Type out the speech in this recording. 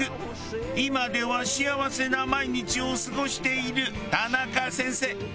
今では幸せな毎日を過ごしている田中先生。